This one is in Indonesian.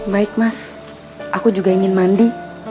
baik mas aku juga ingin mandi